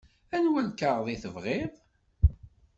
Anwa lkaɣeḍ i tebɣiḍ?